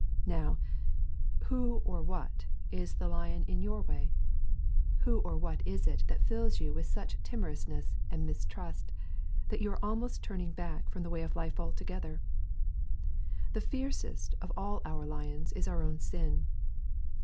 Now, who or what is the lion in your way? Who or what is it that fills you with such timorousness and mistrust, that you are almost turning back from the way to life altogether? The fiercest of all our lions is our own sin.